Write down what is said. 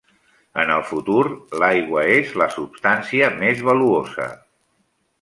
En el futur, l'aigua és la substància més valuosa.